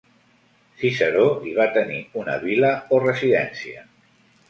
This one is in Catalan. Ciceró hi va tenir una vila o residència.